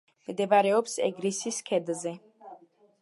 მდებარეობს ეგრისის ქედზე.